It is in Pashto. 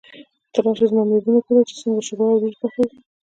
ته راشه زما مېرمن وګوره چې څنګه شوروا او وريجې پخوي.